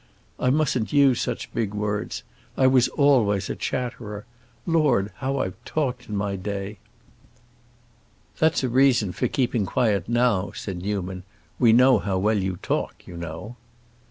I mustn't use such big words. I was always a chatterer; Lord, how I have talked in my day!" "That's a reason for keeping quiet now," said Newman. "We know how well you talk, you know."